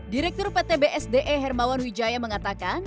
direktur pt bsde hermawan wijaya mengatakan